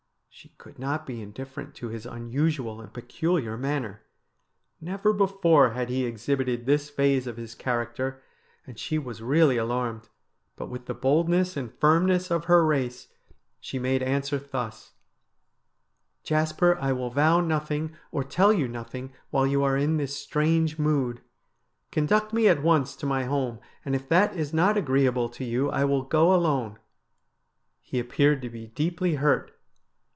She could not be indifferent to his unusual and peculiar manner. Never before had he exhibited this phase of his character, and she was really alarmed, but with the boldness and firmness of her race she made answer thus :' Jasper, I will vow nothing, or tell you nothing, while you are in this strange mood. Conduct me at once to my home, and if that is not agreeable to you I will go alone.' He appeared to be deeply hurt.